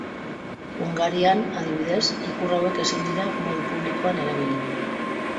Hungarian, adibidez, ikur hauek ezin dira modu publikoan erabili.